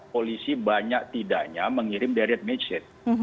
polisi banyak tidaknya mengirim deret message